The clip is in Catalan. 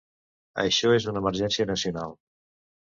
Això és una emergència nacional.